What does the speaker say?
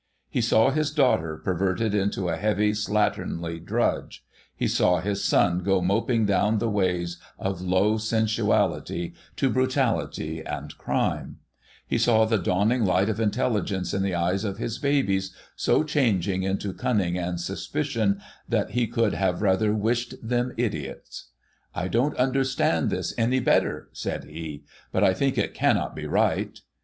He saw his daughter perverted into a heavy, slatternly drudge j he saw his son THE BIGWIG FAMILY 57 go moping down the ways of low sensuality, to brutality and crime ; he saw the dawning light of intelligence in the eyes of his babies so changing into cunning and suspicion, that he could have rather vished them idiots. ' I don't understand this any the better,' said he ;' but I think it cannot be right.